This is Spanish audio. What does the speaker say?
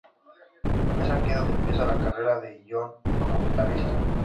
Es aquí donde empieza la carrera de John como guitarrista.